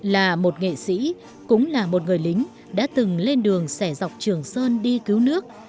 là một nghệ sĩ cũng là một người lính đã từng lên đường sẻ dọc trường sơn đi cứu nước